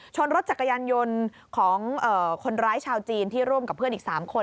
รถจักรยานยนต์ของคนร้ายชาวจีนที่ร่วมกับเพื่อนอีก๓คน